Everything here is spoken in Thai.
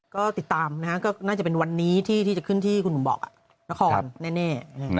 ก็ติดตามนะครับก็น่าจะเป็นวันนี้ที่จะขึ้นที่คุณบอกน่ะนครแน่